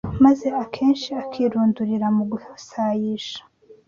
maze akenshi akirundurira mu gusayisha